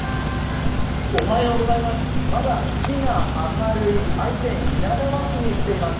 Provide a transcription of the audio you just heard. まだ月が明るい愛知県稲沢市に来ています。